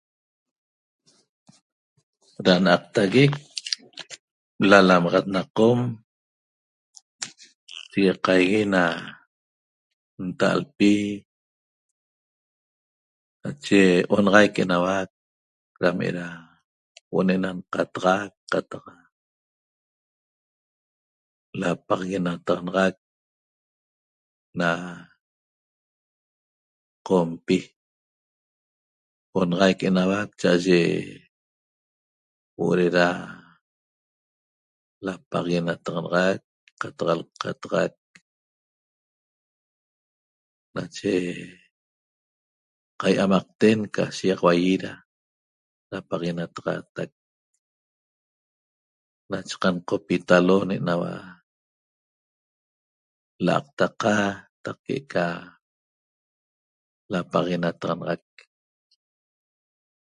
Da naqtagueq lalamaxat na qom checahie na ltaalpi nache onaxaiq enahua dameda huoo ne na lcataxaiq qataq lapaxanetaxanaxaq na qompi onaxaiq enahua chaye huoo na napaxaguenaxateq cataq cataxaq nache caiamaqten ca shexaua da napaxaguenataxac nataqaen nache canaqpitalo na enhua laqtaca tapeqa lapaxanetaxaq